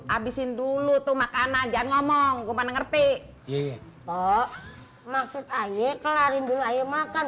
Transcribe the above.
habisin dulu tuh makanan jangan ngomong gue mana ngerti maksud ayo kelarin dulu ayo makan